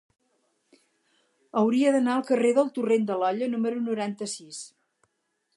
Hauria d'anar al carrer del Torrent de l'Olla número noranta-sis.